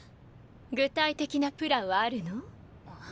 具体的なプランはあるの？